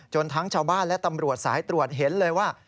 ทั้งชาวบ้านและตำรวจสายตรวจเห็นเลยว่า